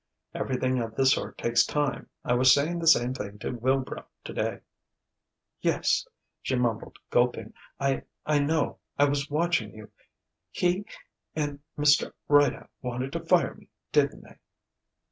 Everything of this sort takes time. I was saying the same thing to Wilbrow today." "Yes," she mumbled, gulping "I I know. I was watching you. H he and Mr. Rideout wanted to fire me, didn't they?"